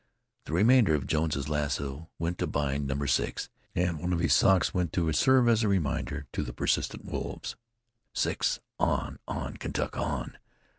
The remainder of Jones's lasso went to bind number six, and one of his socks went to serve as reminder to the persistent wolves. "Six! On! On! Kentuck! On!"